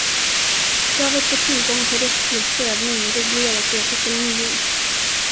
Kravet på tillgång till rättslig prövning regleras i artikel nio.